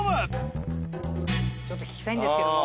ちょっと聞きたいんですけども。